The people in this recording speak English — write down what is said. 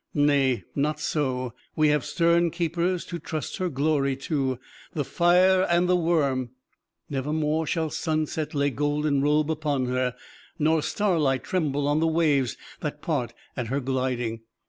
Nay, not so. We have stern keepers to trust her glory to the fire and the worm. Nevermore shall sunset lay golden robe upon her, nor starlight tremble on the waves that part at her gliding.